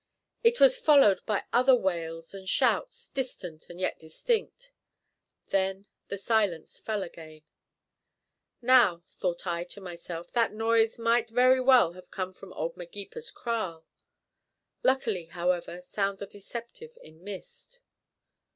It was followed by other wails and shouts, distant and yet distinct. Then the silence fell again. Now, thought I to myself, that noise might very well have come from old Magepa's kraal; luckily, however, sounds are deceptive in mist.